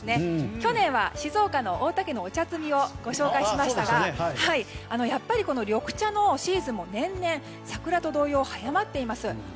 去年は静岡のお茶摘みをご紹介しましたがこの緑茶のシーズンも年々、桜と同様早まっています。